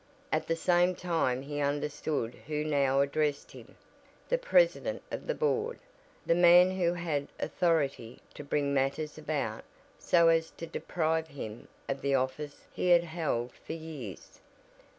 At the same time he understood who now addressed him; the president of the board; the man who had authority to bring matters about so as to deprive him of the office he had held for years.